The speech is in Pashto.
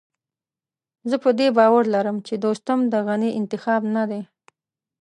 زه په دې باور لرم چې دوستم د غني انتخاب نه دی.